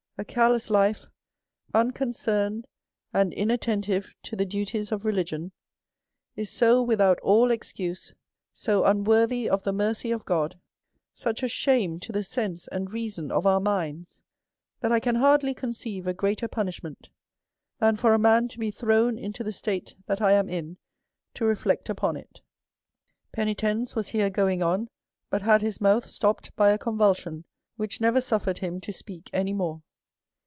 a careless life, unconcerned and inattentive to the duties of religion, is so without all excuse, so unworthy of the mercy of God, such a H'1 shame to the sense and reason of our minds, that I can hardly conceive a greater punishment, than for a man to be thrown into the state that I am in to reflect upon it." Penitens was here going on, but had his mouth ■Ji stopped by a convulsion, which never suifered him to * speak any more.